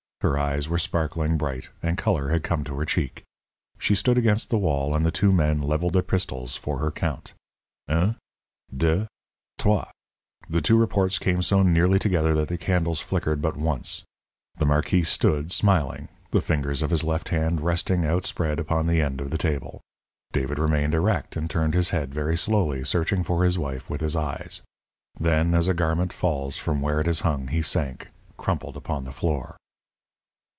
Her eyes were sparkling bright, and colour had come to her cheek. She stood against the wall, and the two men levelled their pistols for her count. "Un deux trois!" The two reports came so nearly together that the candles flickered but once. The marquis stood, smiling, the fingers of his left hand resting, outspread, upon the end of the table. David remained erect, and turned his head very slowly, searching for his wife with his eyes. Then, as a garment falls from where it is hung, he sank, crumpled, upon the floor.